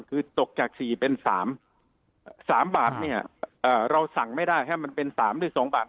คือตกจาก๔เป็น๓บาทเนี่ยเราสั่งไม่ได้ให้มันเป็น๓หรือ๒บาท